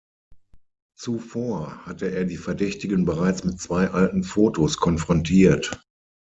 Zuvor hatte er die Verdächtigen bereits mit zwei alten Fotos konfrontiert.